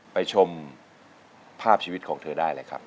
ชมภาพชีวิตของเธอได้เลยครับ